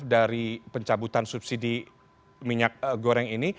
dari pencabutan subsidi minyak goreng ini